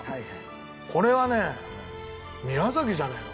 これはね宮崎じゃないの？